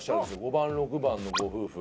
５番６番のご夫婦。